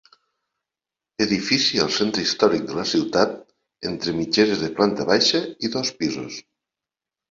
Edifici al centre històric de la ciutat, entre mitgeres de planta baixa i dos pisos.